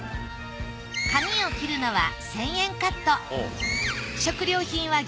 髪を切るのは１，０００円カット。